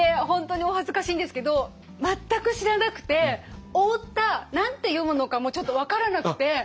本当にお恥ずかしいんですけど全く知らなくて大田何て読むのかもちょっと分からなくて。